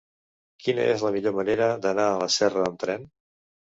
Quina és la millor manera d'anar a Serra amb tren?